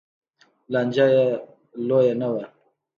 لانجه یې لویه نه وه